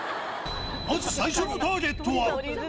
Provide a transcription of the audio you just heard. まず最初のターゲットは。